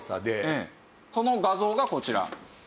その画像がこちら。